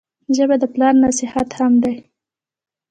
ژبه د پلار نصیحت هم دی